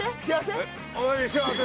幸せ？